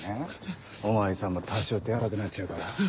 お巡りさんも多少手荒くなっちゃうから。